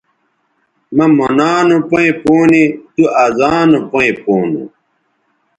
مہ مونا نو پیئں پونے تُو ازانو پیئں پونو